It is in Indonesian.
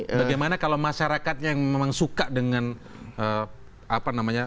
bagaimana kalau masyarakatnya yang memang suka dengan apa namanya